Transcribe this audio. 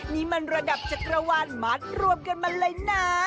นี่มันระดับจักรวาลมัดรวมกันมาเลยนะ